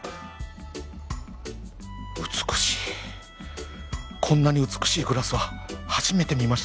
美しいこんなに美しいグラスは初めて見ました